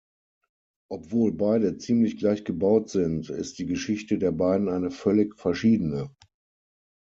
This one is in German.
Obwohl beide ziemlich gleich gebaut sind, ist die Geschichte der beiden eine völlig verschiedene.